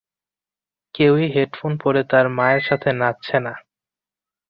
কেউই হেডফোন পরে তার মায়ের সাথে নাচছে না।